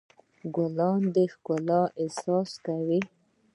ګلان د ښکلا احساس ورکوي.